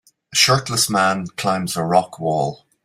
A shirtless man climbs a rock wall